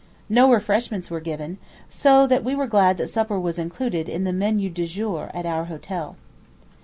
No refreshments are given, so that we were glad that supper was included in the "Menu du jour" at our Hotel.